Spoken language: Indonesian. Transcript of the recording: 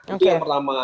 itu yang pertama